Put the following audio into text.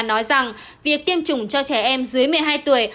nói rằng việc tiêm chủng cho trẻ em dưới một mươi hai tuổi